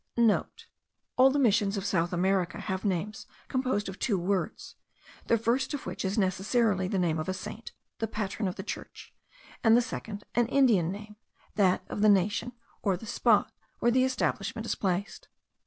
*(* All the Missions of South America have names composed of two words, the first of which is necessarily the name of a saint, the patron of the church, and the second an Indian name, that of the nation, or the spot where the establishment is placed.